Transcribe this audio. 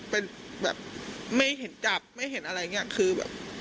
เป็นแบบไม่เห็นจับไม่เห็นอะไรเนี่ยคือ